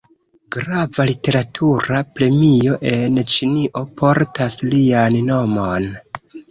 Grava literatura premio en Ĉinio portas lian nomon.